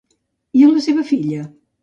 I a la seva filla?